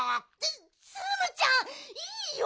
ツムちゃんいいよ！